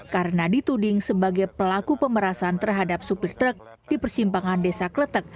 karena dituding sebagai pelaku pemerasan terhadap sopir truk di persimpangan desa kletek